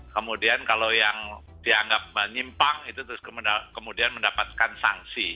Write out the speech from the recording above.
kemudian kalau yang dianggap menyimpang itu terus kemudian mendapatkan sanksi